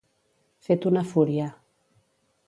Fet una fúria.